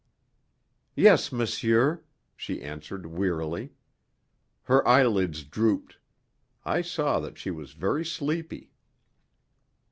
"Yes, monsieur," she answered wearily. Her eyelids drooped; I saw that she was very sleepy.